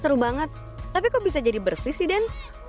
seru banget tapi kok bisa jadi bersih sih den